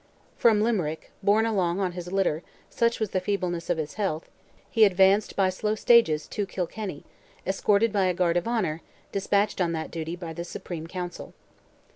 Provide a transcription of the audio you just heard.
From Limerick, borne along on his litter, such was the feebleness of his health, he advanced by slow stages to Kilkenny, escorted by a guard of honour, despatched on that duty, by the Supreme Council.